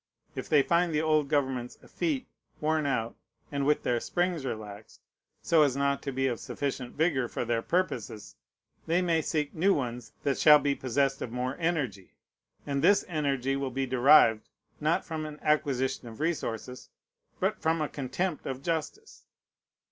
If they find the old governments effete, worn out, and with their springs relaxed, so as not to be of sufficient vigor for their purposes, they may seek new ones that shall be possessed of more energy; and this energy will be derived, not from an acquisition of resources, but from a contempt of justice.